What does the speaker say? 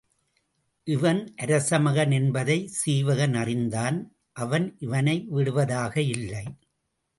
இவன் அரசமகன் என்பதைச் சீவகன் அறிந்தான் அவன் இவனை விடுவதாக இல்லை.